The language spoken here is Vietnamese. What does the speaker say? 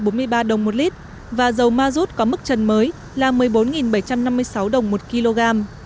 trong khi đó dầu diesel có giá trần mới là một mươi bốn bảy trăm năm mươi sáu đồng một kg